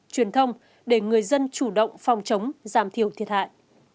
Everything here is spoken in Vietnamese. truyền thông để người dân chủ động phòng chống giảm thiểu thiệt hại